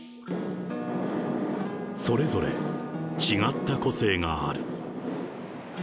それぞれ違った個性がある。